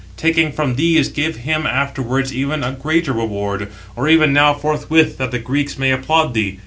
Taking from these, give him afterwards even a greater reward, or even now forthwith, that the Greeks may applaud thee.